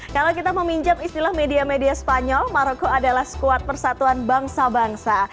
kalau kita meminjam istilah media media spanyol maroko adalah skuad persatuan bangsa bangsa